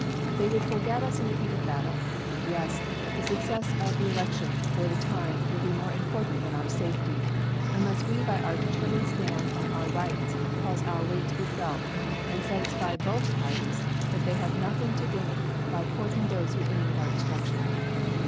They would forget us in the heat of battle; yes, the success of the election, for the time, would be more important than our safety; unless we by our determined stand on our rights cause our weight to be felt, and satisfy both parties that they have nothing to gain by courting those who aim at our destruction.